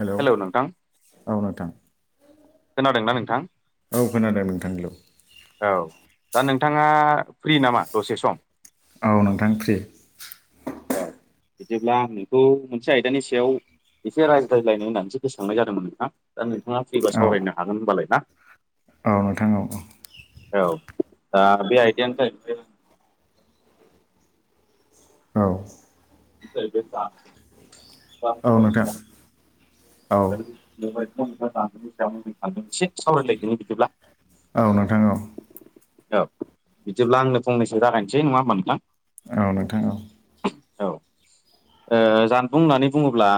Hello औ नोंथां खोनादोंना नोंथां औ खोनादों नोंथांनिल' औ दा नोंथाङा फ्रि नामा दसे सम औ नोंथां फ्रि औ बिदिब्ला आं नोंखौ मोनसे आयदानि सायाव एसे रायज्लायलायनो होननानैसो गोसो खांनाय जादोंमोन नोंथा दा नोंथाङा फ्रिबा औ सावरायनो हागोन होनबालाय ना औ नोंथां औ-औ औ दा बे आयदायानो जाहैबाय औ औ नोंथां [unintelligible] औ [unintelligible] एसे सावरायलायदोनि बिदिब्ला औ नोंथां औ औ बिदिब्ला आंनो फंनैसो जागायनोसै नङा होमब नोंथां औ नोंथां औ औ जानबुं ओ होननानै बुङोब्ला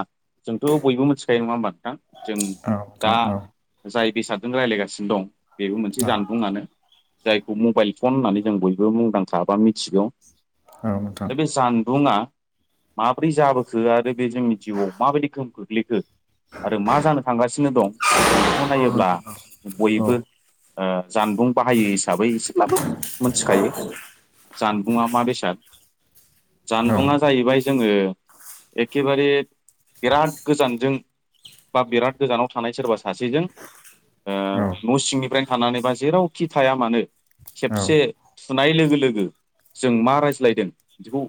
जोंथ' बयबो मोनथिग खायो नङा नोंथां जों नोंथां औ औ दा जाय बेसादजों रायलायगासिनो दं बेबो मोनसे जानबुंआनो जायखौ मबाइल फन होननानै जों बयबो मुंदांखाबा मिथिगौ औ नोंथां दा बे जानबुंआ माबोरै जाबोखो आरो बे जोंनि जिउआव माबायदि गोहोम खोख्लैखो आरो मा जानो थांगासिनो दं जों बेखौ औ नोंथां औ नोंथां औ नोंथां औ नोंथां औ नोंथां औ नोंथां औ नोंथां औ नायोब्ला नोंथां औ नोंथां औ बयबो औ औ जानबुं बाहायो हिसाबै एसेब्लाबो मोनथिखायो जानबुङा मा बेसाद नोंथां जानबुङा जाहैबाय जोङो एखेबारे बिराद गोजानजों बा बिराद गोजानाव थानाय सोरबा सासेजों ओ न' सिंनिफ्रायनो थानानैबा जेरावखि थाया मानो खेबसे थुनाय लोगो लोगो जों मा रायज्लायदों बेखौ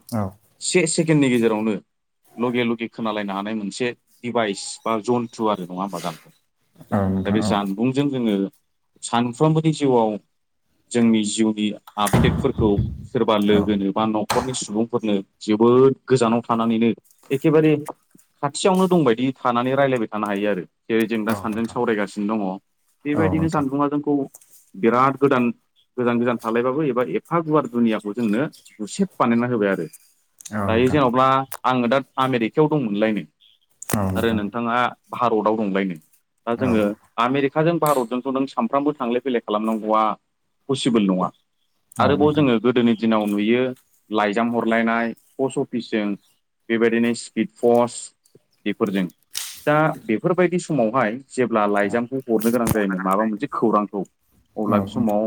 से सेकेणडनि गेजेरावनो लगे लगे खोनालायनो हानाय मोनसे दिभाइस बा जन्थु आरो नङा होमबा [unintelligible] दा बे जानबुंजों जोङो सानफ्रोमबोनि जिउआव जोंनि जिउनि आपडेटफोरखौ सोरबा लोगोनो बा न'खरनि सुबुंफोरनो जिउ बोद गोजानाव थानानैनो एखेबारे खाथियावनो दंबायदि थानानै रायलायबाय थानो हायो आरो जेरै जों दा सानैजों सावरायगासिनो दङ बेबायदिनो जानबुङा जोंखौ बिराद गोदान गोजान गोजान थालायबाबो एबा एफा गुवार दुनियाखौ जोंनो गुसेब बानायना होबाय आरो दायो जेन'ब्ला आङो दा आमेरिकायाव दंमोनलाय नो आरो नोंथाङा भारताव दंलाय नो दा जोङो आमेरिकाजों भारतजोंथ' नों सानफ्रामबो थांलाय फैलाय खालामनांगौआ पसिबोल नङा आरोबाव जोङो गोदोनि दिनाव नुयो लाइजाम हरलायनाय पस्ट अफिसजों बेबायदिनो स्पिड फस बेफोरजों दा बेफोरबायदि समावहाय जेब्ला लाइजामखौ हरनो गोनां जायोमोन माबा मोनसे खौरांखौ अब्ला बे समाव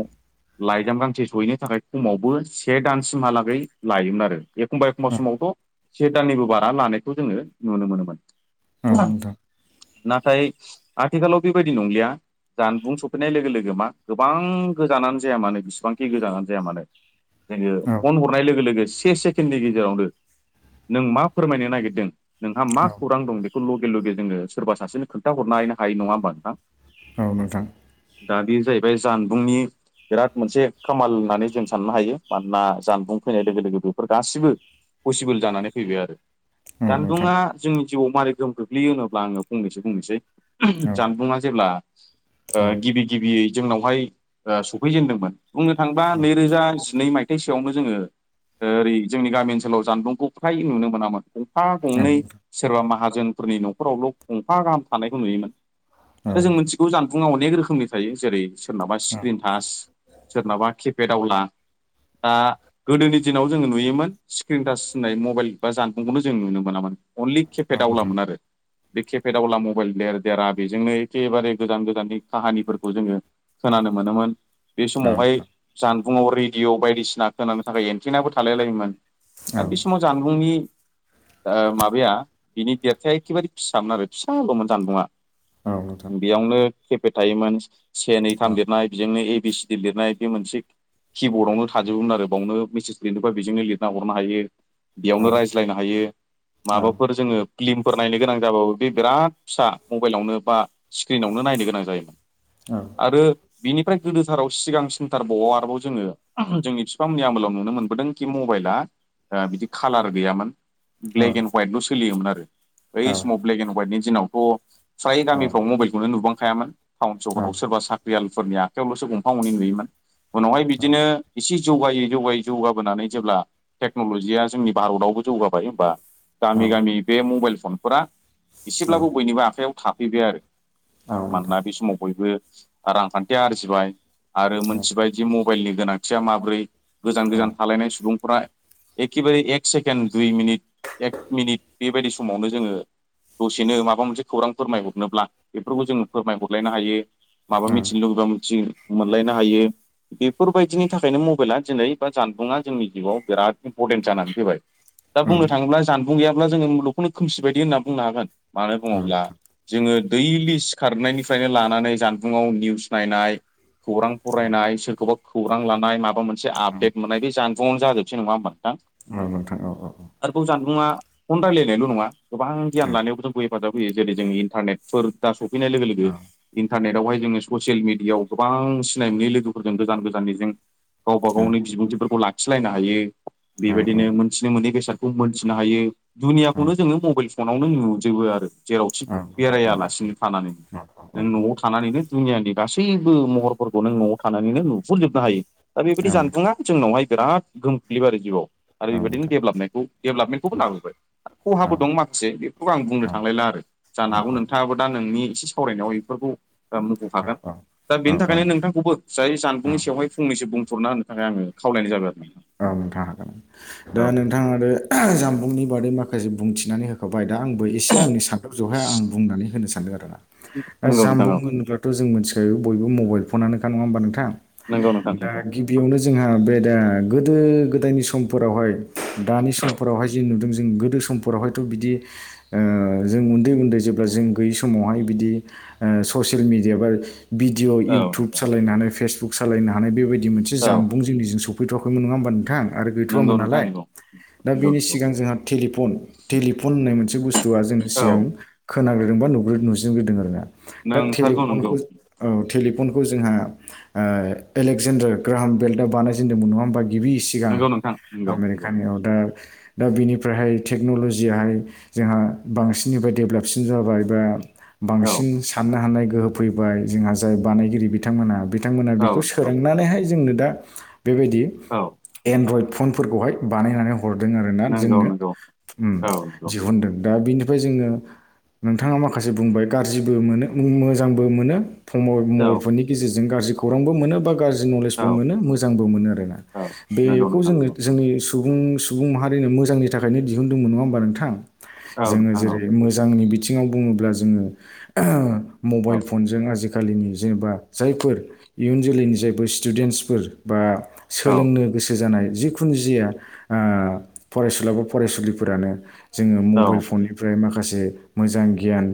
लाइजाम गांसे सहैनो थाखाय खमावबो से दानसिमहालागै लायोमोन आरो एखमबा एखमबा समावथ' से दाननिबो बारा लानायखौ जोङो नुनो मोनोमोन औ नोंथां नाथाय आथिखालाव बेबायदि नंलिया जानबुं सफैनाय लोगो लोगो मा गोबां गोजानानो जाया मानो बिसिबांखि गोजानानो जाया मानो जोङो फन हरनाय लोगो लोगो से सेकेणडनि गेजेरावनो नों मा फोरमायनो नागिरदों नोंहा मा खौरां दं बेखौ लगे लगे जोङो सोरबा सासेनो खोनथाहरनोनो हायो नङा होमबा नोंथां औ नोंथां दा बे जाहैबाय जानबुंनि बिराद मोनसे खामाल होननानै जों साननो हायो मानोना जानबुं फैनाय लोगो लोगो बेफोर गासिबो पसिबोल जानानै फैबाय आरो औ नोंथां जानबुङा जोंनि जिउआव मारै गोहोम खख्लैयो होनोब्ला आङो फंनैसो बुंंनोसै बुंनोसै औ जानबुङा जेब्ला औ नोंथां औ नोंथां औ नोंथां औ नोंथां औ नोंथां औ नोंथां औ नोंथां औ नोंथां औ नोंथां औ ओ गिबि गिबियै जोंनावहाय ओ सफैजेनदोंमोन बुंनो थांबा नैरोजा जिनै माय मायथाइसोआवनो जोङो ओ ओरै जोंनि गाम ओनोलाव जानबुंखौ फ्राय नुनो मोनामोन फा गंनै सोरबा माहाजोनफोरनि न'खरावल' गंफा गाहाम थानायखौ नुयोमोन आरो जों मोनथिगौ जानबुङा अनेक रोखोमनि थायो जेरै सोरनाबा स्क्रिन टास सोरनाबा किपेड आवला दा गोदोनि दिनाव जोङो नुयोमोन स्क्रिन टास होननाय मबाइल बा जानबुंखौनो जों नुनो मोनामोन अनलि केफेट आवलामोन आरो बे केफेद आवला मबाइल देर देरा बेजोंनो एखेबारे गोजान गोजाननि काहानिफोरखौ जोङो खोनानो मोनोमोन बे समावहाय जान बुङाव रेडियअ बायदिसिना खोनानो थाखाय एन्टिनाबो थालाय लायोमोन आरो बे समाव जानबुंनि ओ माब बाया बिनि देरथाया एखेबारे फिसामोन आरो फिसा ल'मोन जानबुङा बेयावनो खेपेट थायोमोन से नै थाम लिरनाय बेजोंनो ए बि सि डि लिरनाय बे मोनसे किबर्डआवनो थाजोबोमोन आरो बावनो मेसेज लिरनोबा बेजोंनो लिरना हरनो हायो बेयावनो रायज्लायनो हायो माबाफोर जोङो फिलिमफोर नायनो गोनां जाबाबो बे बिराद फिसा मबाइलावनो बा स्क्रिनावनो नायनो यै गोनां जायो आरो बिनिफ्राय गोदोथाराव सिगां सिनथारबाव आरोबाव जोङो जोंनि बिफामोननि आमोलाव नु नुनो मोनबोदों खि मबाइला ओ बिदि खालार गैयामोन ब्लेक एनद सोलियोमोन आरो बै समाव ब्लेक एन्ड हवाइटनि दिनावथ' फ्राय गामिफ्राव मबाइलखौनो नुबांखायामोन टाउन सहराव सोरबा साख्रियालफोरनि आखायावल'सो गंफा गंनै नुयोमोन। उनावहाय बिदिनो एसे जौगायै जौगायै जौगाबोनानै जेब्ला टेक्न'लजिया जोंनि भारताव जौगाबाय होमबा। गामि गामि बे मबाइल फनफोरा एसेब्लाबो बयनिबो आखयाव थाफैबाय आरो। मानोना बे समाव बयबो रांखान्थि आरजिबाय। आरो मोनथिबायदि मबाइलनि गोनांथिया माबोरै गोजान गोजान थालायनाय सुबुंफोरा एखेबारे एक सेकेणड दुइ मिनिट एक मिनिट बेबायदि समावनो जोङो। दसेनो माबा मोनसे खौरां फोरमायहरनोब्ला बेफोरखौ जोङो फोरमायहरलायनो हायो। माबा मिथिनो लुबैबा मिथि मोनलायनो हायो। बेफोरबायदिनि थाखायनो मबाइला दिनै बा जानबुंङा जोंनि जिउआव बिराद इम्परटेन्ट जानानै फैबाय। दा बुंनो थाङोब्ला जानबुं गैयाब्ला जोङो मुलुखौनो खोमसि बादि होनना बुंनो हागोन। मानो बुङोब्ला जोङो दैलि सिखारनायनिफ्रायनो लानानै जानबुङाव निउस नायनाय खौरां फरायनाय सोरखौबा खौरां लानाय माबा मोनसे आपडेट मोननाय बे जानबुंआवनो जोबसै नङा होमा नोंथां? औ नोंथां औ औ औ। आरोबाव जानबुंङा फन रायलायनायल' नङा गोबां गियान लायाव जोंखौ हेफाजाब होयो जेरै जोंनि इन्टारनेटफोर दा सफैनाय। लोगो लोगो इन्टारनेटआवहाय जोङो ससियेल मिडियाआव गोबां सिनाय मोनै लोगोफोरजों गोजान गोजाननि जों। गावबा गावनि बिबुंथिफोरखौ लाखिलायनो हायो बेबायदिनो मोनथिनो मोननै बेसादखौ मिथिनो हायो दुनियाखौनो जोङो मबाइल फनावनो नुजोबो आरो जेरावखि बेरायालासिनो थानो [unintelligible] नों न'आव थानानैनो दुनियानि गासैबो महरफोरखौ नों न'आव थानानैनो नुहुरजोबनो हायो। दा बेबायदि जानबुंङा जोंनावहाय बिराद गोहोम खोख्लैबो आरो जिउआव आरो बेबायदिनो डेभेलपमेन्टखौ डेभेलपमेन्टखौबो लाबोबाय खहाबो दं माखासे बेफोरखौ आं बुंनो थांलायला आरो जानो हागौ नोंथाङाबो दा नोंनि एसे सावरायनायाव बेफोरखौ। दा मोनथिखागोन दा बेनि औ थाखायनो नोंथांखौबो जाय जानबुंनि नोंथां औ सायावहाय फंनैसो बुंफोरना होनो थाखाय आङो खावलायनाय जाबाय आरो। औ नोंथां हागोन दा नोंथाङा आरो जामबुंनि बादै माखासे बुंथिनानै होखाबाय। दा आंबो एसे आंनि सानथौजोंहाय आं बुंनानै होनो सानदों आरोना। दा नोंथां जामबुं औ होनोब्लाथ' जों मिथिखायो बयबो मबाइल फनानोखा नङा होमबा नोंथां। नंगौ नोंथां औ नंगौ नोंथां दा नंगौ गिबियावनो जोंहा बे दा गोदो गोदायनि समफोरावहाय दानि समफोरावहाय जे नुदों जों गोदो समफोरावहायथ' बिदि जों उन्दै उन्दै जेब्ला जों गैयै समावहाय बिदि ससियेल मिडिया बा भिडिअ औ इउटुब नोंथां सालायनो हानाय फेसबुक सालायनो हानाय बेबायदि मोनसे औ जामबुं जोंनिजों सफै [unintelligible] मोन नङा होमबा नोंथां आरो नंगौ गैथ'वामोन नोंथां नालाय। दा नंगौ नंगौ बेनि सिगां जोंहा टेलिफन टेलिफन होननाय मोनसे बुस्थुआ जोंनि औ सिगां। खोनाग्रोदोंबा नुरो [unintelligible] आरो ना दा नोंथारगौ नंगौ टेलिफनखौ फनखौ जोंहा एलेकजेडार ग्राहाम बेल्टआव बानायजेनदोंमोन नङा। गिबि सिगां नंगौ नोंथां नंगौ नंगौ आमेरिकानि अर्डार दा बिनिफ्रायहाय टेक्न'लजियाहाय जोंहा बांसिननिफ्राय डेभेलपसिन जाबाय बा। औ बांसिन साननो हानाय गोहो फैबाय जोंहा जाय बानायगिरि बिथांमोनहा। बिथांमोना बेखौ औ नंगौ सोरांनानैहाय जोंनो दा बेबायदि। औ। एनड्रइड फनफोरखौहाय बानायनानै हरदों आरो ना नंगौ जोंनो नंगौ औ नंगौ दिहुनदों। दा बिनिफ्राय जोङो नोंथाङा माखासे बुंबाय गाज्रिबो मोनो मोजांबो मोनो। औ मबाइल फननि गेजेरजों गाज्रि खौरांबो मोनो बा गाज्रि नलेजबो औ मोनो मोजांबो मोनो आरोना। औ नंगौ बेखौ नोंथां जोङो नंगौ जोंनि। सुबुं सुबुं माहारिनो मोजांनि थाखायनो दिहुनदोंमोन नङा होमबा नोंथां औ जोङो नोंथां औ जेरै मोजांनि बिथिङाव बुङोब्ला जोङो औ मबाइल फनजों आजिखालि आथिखालिनि जेनेबा जायफोर इयुन जोलैनि जायफोर स्टुडेन्टसफोर बा औ सोलोंनो गोसो जानाय जिखुन जिया फरायसुला बा फरायसुलिफोरानो जोङो मबाइल औ फननिफ्राय माखासे मोजां गियान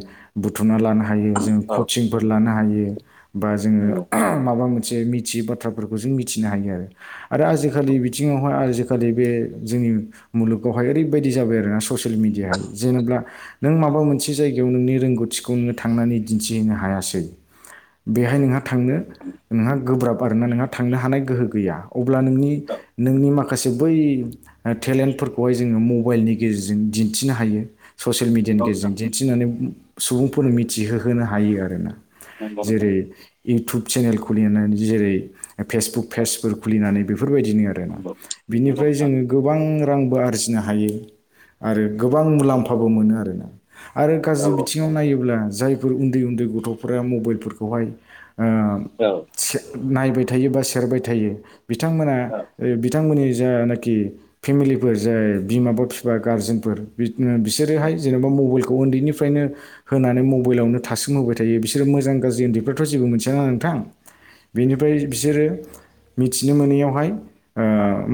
बुथुमना लानो हा- हायो जों औ कसिंफोर लानो हायो बा जों नंगौ माबा मोनसे मिथियै बाथ्राफोरखौ जों मिथिनो हायो आरो आरो औ आजिखालि बिथिङावहाय आजि- खालि बे जोंनि मुलुगावहाय ओरैबायदि जाबाय आरोना ससियेल मिडियाहाय जेनेबा नों मा- माबा मोनसे जायगायाव नोंनि रोंगौथिखौ नोङो थांनानै दिन्थिहैनो हायासै बेहाय नंगौ नोंहा थांनो नोंहा गोब्राब आरोना नोंहा थांनो हानाय गोहो गैया अब्ला नोंनि नोंनि माखा- माखासे बै ओ टेलेन्टफोरखौहाय जोङो मबाइलनि गेजेरजों दिन्थिनो हायो ससियेल मिडियानि गेजेरजों नोंथां दिन्थिनानै सुबुंफोरनो मिथिहोहोनो हायो आरोना नंगौ नोंथां जेरै इउटुब चेनेल खुलिनानै जेरै फेसबुक फेजफोर खुलिनानै बेफोरबायदिनो आरोना नंगौ नंगौ बिनिफ्राय नोंथां जोङो गोबां रांबो आरजिनो हायो आरो गोबां मुलाम्फाबो मोनो आरोना आरो औ गाज्रि बिथिङाव नायोब्ला जाय फोर उन्दै उन्दै गथ'फोरा मबाइलफोरखौहाय ओ औ नायबाय थायो बा सेरबाय थायो बिथांमोना औ ओ बिथांमोननि जानाखि फेमिलिफोर जाय बिमाबा फिफा गारजेनफोर बि उम औ बिसोरोहाय जेन'बा मबाइल- खौ उन्दैनिफ्रायनो होनानै मबाइलावनो थासोमहोबाय थायो बिसोरो मोजां गाज्रि उन्दैफ्राथ' जेबो मोनथिया ना नोंथां बेनिफ्राय बिसोरो मिथिनो मोनैयावहाय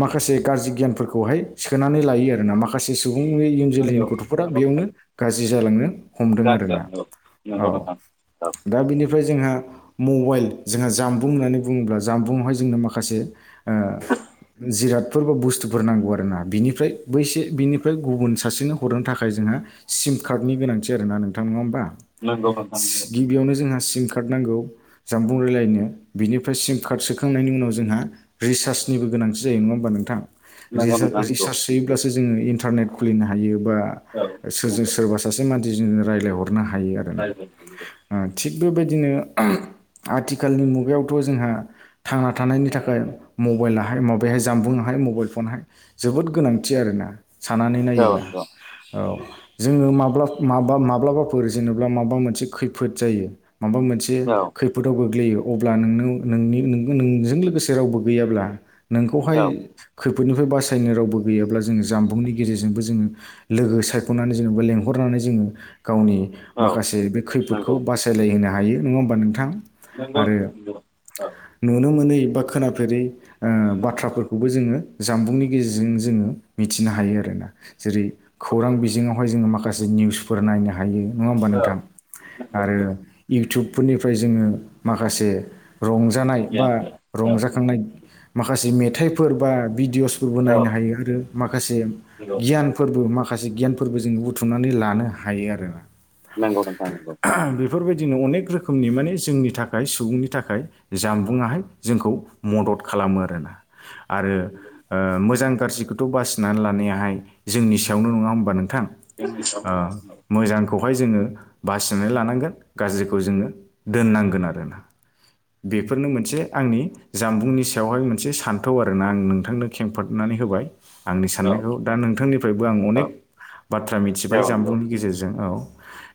माखासे गाज्रि गियानफोरखौहाय सोनानै लायो आरोना माखासे सुबुंनि सुबुंनि इयुन जोलैनि नंगौ गथ'फोरा नंगौ बेयावनो नोंथां गाज्रि जालांनो हमदों गाज्रि आरोना जालांगौ औ नंगौ नोंथां औ दा बेनि- फ्राय जोंहा मबाइल जोंहा जानबुं होननानै बुङोब जानबुंङावाय जोंनो माखा- माखासे ओ जिरादफोर बा बुस्थुफोर नांगौ आरो ना बिनिफ्राय बैसे बिनिफ्राय गुबुन सासेनो हरनो थाखाय जों- नो सिमकार्डनि गोनांथि आरोना नोंथां नङाहोमबा नंगौ नोंथां नंगौ सि गिबियावनो जोंहा सिमकार्ड नांगौ जामबुं रायलायनो बिनिफ्राय सिम कार्ड सोखांनायनि उनाव जोंहा रिसार्चनिबो गोनांथि जायो नङा होमबा नोंथां नंगौ रिसा नोंथां नंगौ रिसार्स सोयोब्लासो जोङो इन्टारनेट खुलिनो हायो बा औ सोरजों नंगौ सोरबा सासे मानसिजों रायलायहर- नो हायो आरोना गाज्रि ओ थिग बेबायदिनो आथिखालनि मुगायावथ' जोंहा थांना- थानायनि थाखाय मबाइलाहाय माबाहाय जामबुंहाय मबाइल फनाहाय जोबोद गोनांथि आरोना साननानै नायोब्ला जालांगौ औ औ जोङो माब्ला माबा माब्लाबाफोर जेनेब्ला माबा मोनसे खैफोद जायो माबा मोनसे नंगौ खैफोदाव गोग्लैयो अब्ला नोंनि नों- जों लोगोसे रावबो गैयाब्ला नोंखौहाय औ खैफोदनिफ्राय बासायनो रावबो गैयाब्ला जोङो जाम्बुंनि गेजेरजोंबो जोङो लोगो सायख'नानै जेनबा लेंहरन- नानै जोङो गावनि औ औ माखासे बे खैफोदखौ नंगौ बासायलाय होनो हायो नङा होमबा नोंथां नंगौ आरो नोंथां नंगौ औ नुनो मोनै बा खोनाफेरै ओ बाथ्राफोरखौबो जोङो जामबुंनि गेजेरजों जोङो मिथिनो हायो आरो आरोना जेरै खौरां बिजोङावहाय जोङो माखासे निउसफोर नायनो हायो नङा होमबा औ नोंथां नंगौ आरो नंगौ इउटुबफोरनिफ्राय जोङो माखासे रंजानाय बा गियानफोर रंजाखांनाय माखासे मेथाइफोर बा भिदिअ'सफोरबो औ औ नायनो हायो आरो माखासे नंगौ गियानफोरबो मा- माखासे गियानफोरबो जों बुथुमनानै लानो हायो आरोना नोंगौ नोंथां नोंगौ बेफोरबायदिनो अनेक रोखोमनि माने जोंनि थाखाय सुबुंनि थाखाय जामबुंङाहाय जोंखौ मदद खालामो आरोना आरो ओ मोजां गाज्रिखौथ' बासिनानै लानायाहाय जोंनि सायावनो नङा होमबा नोंथां [unintelligible] खौहाय जोङो बासिनानै लानांगोन गाज्रिखौ जोङो दोननांगोन आरोना बेफोरनो मोनसे आंनि जामबुंनि सायावहाय मोनसे सान्थौ आरोना आं नोंथांनो खेंफोबनानै होबाय आंनि औ साननायखौ दा नोंथांनिफ्रायबो आं अनेक औ बाथ्रा मिथिबाय औ नंगौ जामबुंनि गेजेरजों औ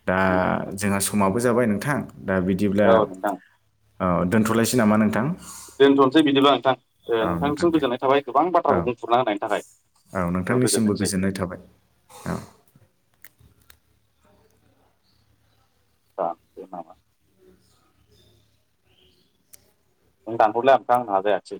दा नोंथां जोंहा समाबो जाबाय नोंथां दा बिदिब्ला औ नोंथां औ दोनथ'लायसै नामा नोंथां दोनथ'नोसै बिदिब्ला नोंथां औ नोंथां नोंथांनिसिम दे गोजोननाय थाबाय गोबां औ बाथ्राखौ बुंफुरना होनायनि थाखाय औ नोंथांनिसिमबो गोजोनथोंसै गोजोननाय थाबाय औ [unintelligible] दानहरलाय नोंथां आंना जायासै